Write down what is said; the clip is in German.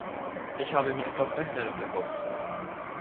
Ich habe mir etwas Besseres erhofft.